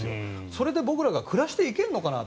それで僕らが暮らしていけるのかなと。